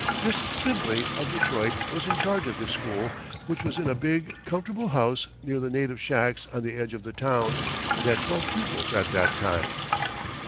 Miss Sibley, of Detroit, was in charge of this school, which was in a big, comfortable house near the native shacks on the edge of the town, and had twelve pupils at that time.